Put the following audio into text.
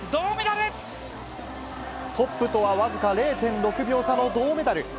トップとは僅か０．６秒差の銅メダル。